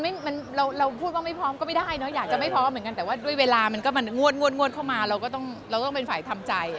โอ้แต่ว่าก็นั่นน่ะสิเราพูดว่าไม่พร้อมก็ไม่ได้เนอะอยากจะไม่พร้อมเหมือนกันแต่ว่าด้วยเวลามันก็มันงวดเข้ามาเราก็ต้องเป็นฝ่ายทำใจ